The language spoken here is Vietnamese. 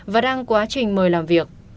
và đang quá trình mời làm việc